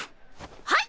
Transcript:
はい！